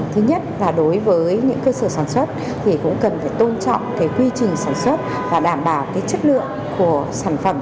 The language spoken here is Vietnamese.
thứ nhất là đối với những cơ sở sản xuất thì cũng cần phải tôn trọng cái quy trình sản xuất và đảm bảo cái chất lượng của sản phẩm